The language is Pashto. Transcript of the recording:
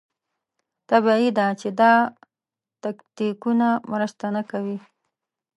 طبیعي ده چې دا تکتیکونه مرسته نه کوي.